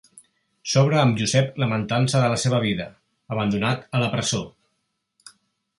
S'obre amb Josep lamentant-se de la seva vida, abandonat a la presó.